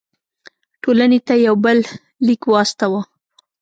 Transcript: ټولنې ته یو بل لیک واستاوه.